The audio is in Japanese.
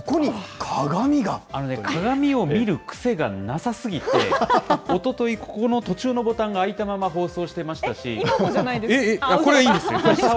あのね、鏡を見る癖がなさすぎて、おととい、ここの途中のボタンが開いたまま、放送してましたし。